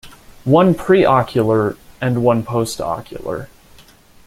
One preocular, and one post ocular.